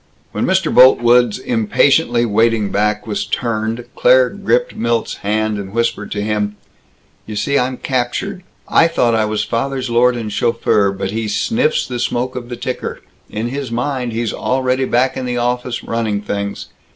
When Mr. Boltwood's impatiently waiting back was turned, Claire gripped Milt's hand, and whispered to him, "You see, I'm captured! I thought I was father's lord and chauffeur, but he sniffs the smoke of the ticker. In his mind, he's already back in the office, running things.